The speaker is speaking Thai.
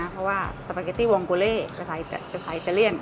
เพราะว่าสปาเกตตี้วองโกเล่จะขายอิตาเลียน